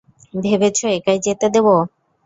ভেবেছ একাই যেতে দেব?